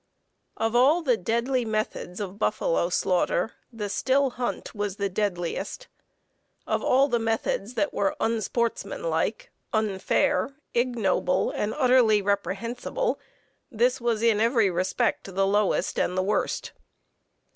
_ Of all the deadly methods of buffalo slaughter, the still hunt was the deadliest. Of all the methods that were unsportsmanlike, unfair, ignoble, and utterly reprehensible, this was in every respect the lowest and the worst.